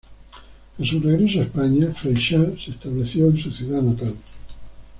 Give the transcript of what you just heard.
A su regreso a España, Freixa se estableció en su ciudad natal.